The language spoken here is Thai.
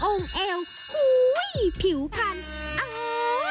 ของเขาดีจริงถึงติ๊กถึงกิ๋งยิ้งกว่าต้มสักโอ้งเอวฮู้ยผิวพัน